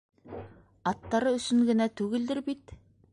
Аттары өсөн генә түгелдер бит?